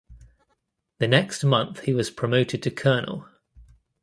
The next month he was promoted to Colonel.